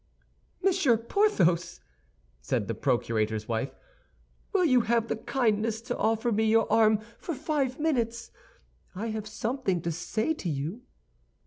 "Monsieur Porthos," said the procurator's wife, "will you have the kindness to offer me your arm for five minutes? I have something to say to you."